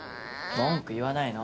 文句言わないの。